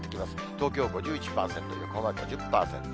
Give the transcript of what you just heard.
東京５１％、横浜５０％。